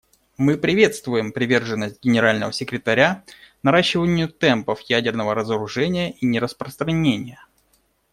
Мы приветствуем приверженность Генерального секретаря наращиванию темпов ядерного разоружения и нераспространения.